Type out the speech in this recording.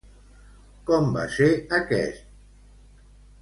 Com va ser aquest?